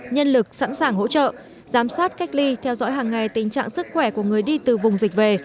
nhân lực sẵn sàng hỗ trợ giám sát cách ly theo dõi hàng ngày tình trạng sức khỏe của người đi từ vùng dịch về